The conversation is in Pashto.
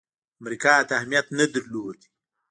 امریکا ته اهمیت نه درلود.